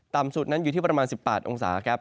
ตำสูตรนั้นอยู่ที่ประมาณ๑๘องศา